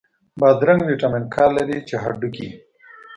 بادرنګ ویټامین K لري، چې هډوکی